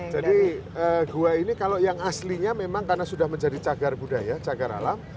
jadi gua ini kalau yang aslinya memang karena sudah menjadi cagar budaya cagar alam